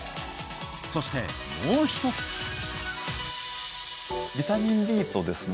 そしてもう一つビタミンＤとですね